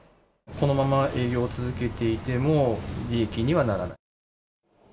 このまま営業を続けていても、利益にはならない。